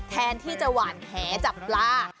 แทนที่จะหวานแหจับปลา